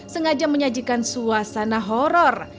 sengaja menyajikan suasana horror